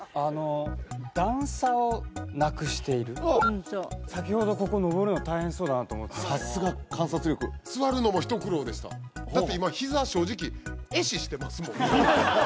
段差をなくしている先ほどここ上るの大変そうだなと思ってさすが観察力座るのも一苦労でしただって今壊死してます